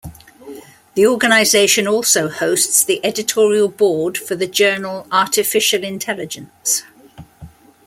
The organization also hosts the editorial board for the journal Artificial Intelligence.